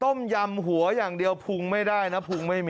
ต้มยำหัวอย่างเดียวผวงไม่ได้นะ